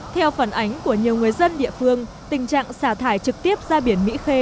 theo phần ảnh của nhiều người dân địa phương tình trạng xả thải trực tiếp ra biển mỹ khê